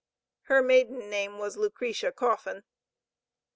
Her maiden name was Lucretia Coffin.